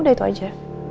udah itu aja